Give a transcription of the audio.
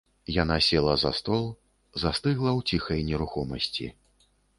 Яна села за стол, застыгла ў ціхай нерухомасці.